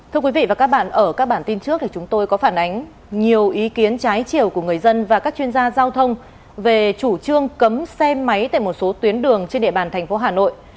thưa quý vị và các bạn ở các bản tin trước thì chúng tôi có phản ánh nhiều ý kiến trái chiều của người dân và các chuyên gia giao thông về chủ trương cấm xe máy tại một số tuyến đường trên địa bàn thành phố hà nội